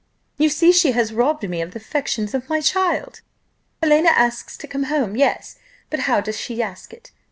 You see she has robbed me of the affections of my child. Helena asks to come home: yes, but how does she ask it?